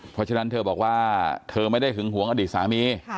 เพราะฉะนั้นเธอบอกว่าเธอไม่ได้หึงหวงอดีตสามี